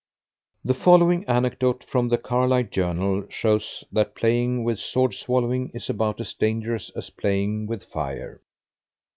The following anecdote from the Carlisle Journal, shows that playing with sword swallowing is about as dangerous as playing with fire.